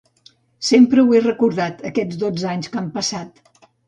Sempre ho he recordat aquests dotze anys que han passat.